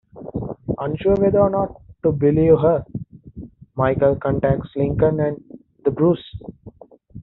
Unsure whether or not to believe her, Michael contacts Lincoln and then Bruce.